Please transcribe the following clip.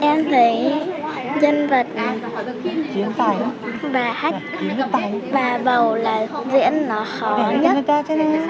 em thấy nhân vật bà hách bà bầu là diễn nó khó nhất